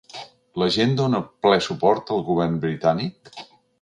La gent dóna ple suport al govern britànic?